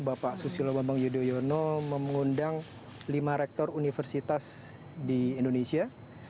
bapak susilo bambang yudhoyono mengundang lima rektor universitas di indonesia